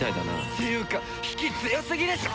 っていうか引き強すぎでしょ！